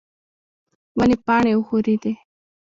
ونې پاڼې وښورېدې.